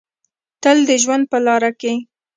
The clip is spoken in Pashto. تل د ژوند په لاره کې